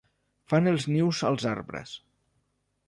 Fan els nius als arbres.